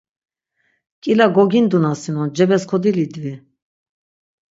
Nǩila gogindunasinon cebes kodilidvi.